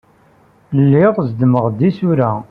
Lliɣ zeddmeɣ-d isura.